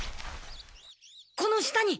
この下に！